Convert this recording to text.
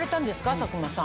佐久間さん。